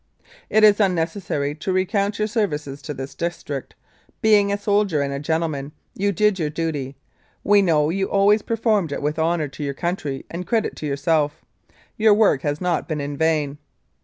"It is unnecessary to recount your services to this district. Being a soldier and a gentleman, you did your duty. We know you always performed it with honour to your country and credit to yourself. Your work has not been in vain.